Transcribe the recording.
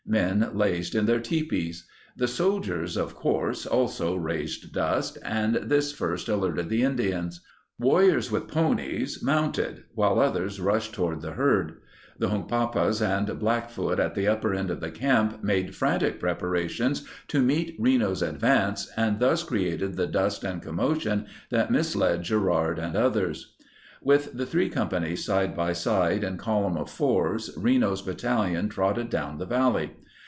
Men lazed in their tipis. The soldiers, of course, also raised dust, and this first alerted the Indians. Warri ors with ponies mounted, while others rushed to ward the herd. The Hunkpapas and Blackfoot at the upper end of the camp made frantic preparations to meet Reno's advance and thus created the dust and commotion that misled Gerard and others. With the three companies side by side in column of fours, Reno's battalion trotted down the valley.